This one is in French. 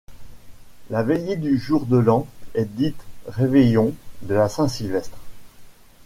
La veillée du jour de l'an est dite réveillon de la Saint-Sylvestre.